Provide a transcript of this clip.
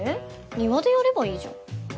庭でやればいいじゃん。